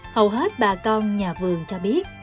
hầu hết bà con nhà vườn cho biết